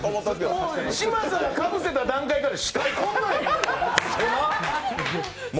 もう嶋佐がかぶせた段階から視界、こんなんや。